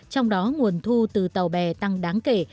trong đó nguồn thu từ tàu bè tăng đáng kể